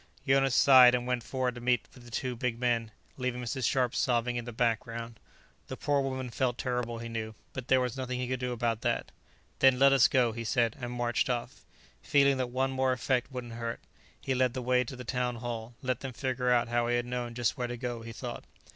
Jonas sighed and went forward to meet the two big men, leaving Mrs. Scharpe sobbing in the background. The poor woman felt terrible, he knew; but there was nothing he could do about that. "Then let us go," he said, and marched off. Feeling that one more effect wouldn't hurt, he led the way to the Town Hall; let them figure out how he had known just where to go, he thought.